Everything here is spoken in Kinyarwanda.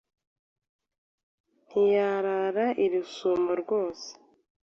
ntiyarara i Rusumo rwose